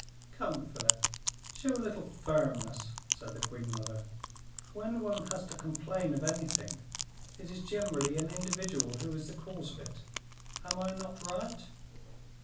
"Come, Philip, show a little firmness," said the queen mother. "When one has to complain of anything, it is generally an individual who is the cause of it. Am I not right?"